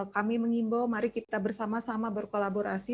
kami mengimbau mari kita bersama sama berkolaborasi